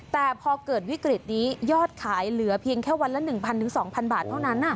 แต่พอเกิดวิกฤตนี้ยอดขายเหลือเพียงแค่วันละ๑๐๐๒๐๐บาทเท่านั้น